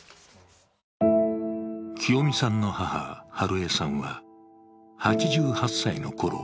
清美さんの母・美枝さんは８８歳のころ